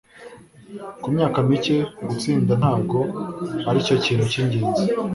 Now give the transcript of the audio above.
Ku myaka mike gutsinda ntabwo aricyo kintu cyingenzi…